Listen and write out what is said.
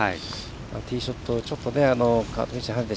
ティーショットがちょっと。